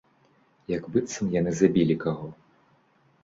Як быццам яны забілі каго.